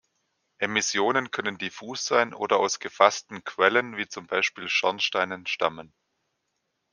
Emissionen können diffus sein oder aus gefassten Quellen, wie zum Beispiel Schornsteinen, stammen.